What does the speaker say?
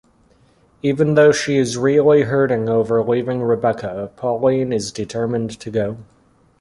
Even though she is really hurting over leaving Rebecca, Pauline is determined to go.